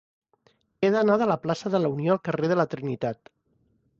He d'anar de la plaça de la Unió al carrer de la Trinitat.